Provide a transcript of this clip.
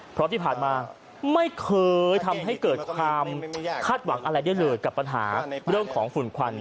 เพราะที่ผ่านมาไม่เคยทำให้เกิดความคาดหวังอะไรได้เลยกับปัญหาเรื่องของฝุ่นควัน